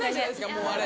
もうあれ。